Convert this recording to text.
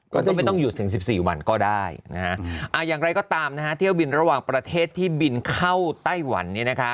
ก็จะไม่ต้องหยุดถึง๑๔วันก็ได้นะฮะอย่างไรก็ตามนะฮะเที่ยวบินระหว่างประเทศที่บินเข้าไต้หวัน